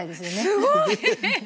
すごい！